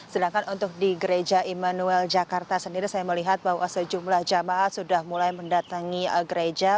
sedangkan untuk di gereja immanuel jakarta sendiri saya melihat bahwa sejumlah jemaat sudah mulai mendatangi gereja